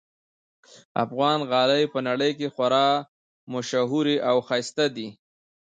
افغان غالۍ په نړۍ کې خورا ممشهوري اوښایسته دي